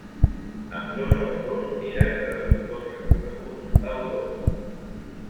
Ambdós autors eren traductors reconeguts a Europa.